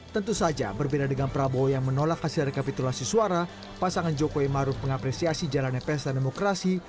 tentu saja berbeda dengan prabowo yang menolak hasil rekapitulasi suara pasangan jokowi maruf mengapresiasi jalannya pesta demokrasi